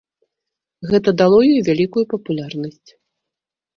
Гэта дало ёй вялікую папулярнасць.